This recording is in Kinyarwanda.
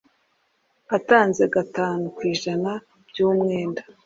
atanze gatanu ku ijana by’umwenda